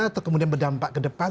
atau kemudian berdampak ke depan